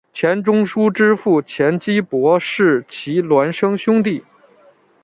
钱钟书之父钱基博是其孪生兄弟。